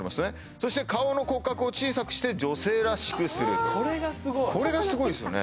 そして顔の骨格を小さくして女性らしくするこれがすごいですよね